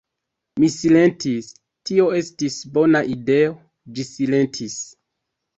Mi silentis, tio estis bona ideo; ĝi silentis.